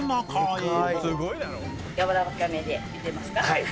はい。